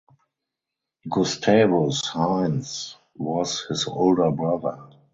Gustavus Hines was his older brother.